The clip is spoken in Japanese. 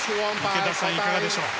池田さん、いかがでしょう？